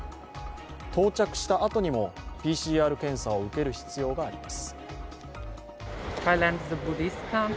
到着したあとにもＰＣＲ検査を受ける必要があります。